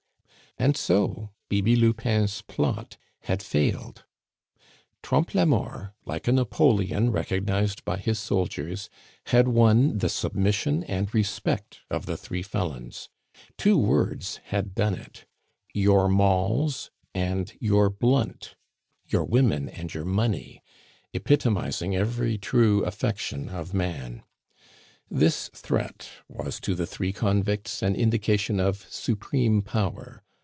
And so Bibi Lupin's plot had failed. Trompe la Mort, like a Napoleon recognized by his soldiers, had won the submission and respect of the three felons. Two words had done it. Your molls and your blunt your women and your money epitomizing every true affection of man. This threat was to the three convicts an indication of supreme power.